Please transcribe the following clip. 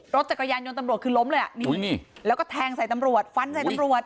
รถจักรยานยนต์ตำรวจคือล้มเลยอ่ะนี่แล้วก็แทงใส่ตำรวจฟันใส่ตำรวจ